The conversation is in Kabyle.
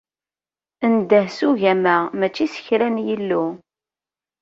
Ndeh s ugama mačči s kra n yillu.